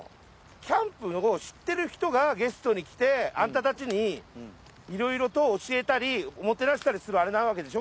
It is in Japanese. ャンプを知ってる人がゲストに来てんたたちにいろいろと教えたりもてなしたりするアレなわけでしょ？